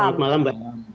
selamat malam bang